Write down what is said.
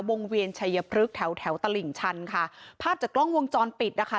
เวียนชัยพฤกษ์แถวแถวตลิ่งชันค่ะภาพจากกล้องวงจรปิดนะคะ